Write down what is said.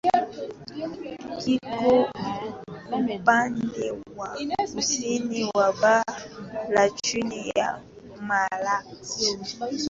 Kiko upande wa kusini wa bara la nchi ya Malaysia.